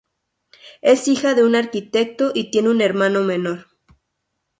Es hija de un arquitecto y tiene un hermano menor.